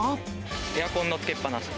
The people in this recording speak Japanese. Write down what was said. エアコンのつけっ放し。